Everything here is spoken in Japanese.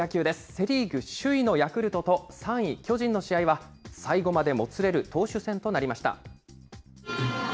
セ・リーグ首位のヤクルトと、３位巨人の試合は、最後までもつれる投手戦となりました。